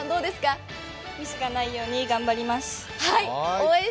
ミスがないように頑張ります。